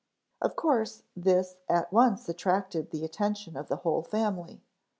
Of course this at once attracted the attention of the whole family.